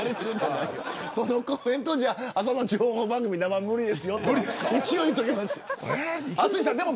そのコメントじゃ朝の情報番組は無理ですよと一応、言っておきます。